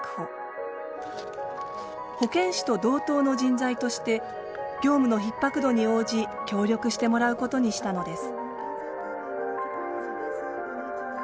保健師と同等の人材として業務のひっ迫度に応じ協力してもらうことにしたのです。